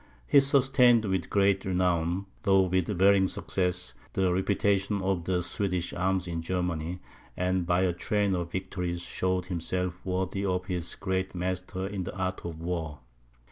He sustained with great renown, though with varying success, the reputation of the Swedish arms in Germany, and by a train of victories showed himself worthy of his great master in the art of war.